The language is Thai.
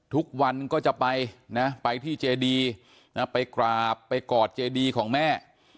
ทุกวันก็จะไปนะไปที่เจดีนะไปกราบไปกอดเจดีของแม่